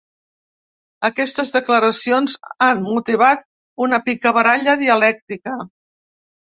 Aquestes declaracions han motivat una picabaralla dialèctica.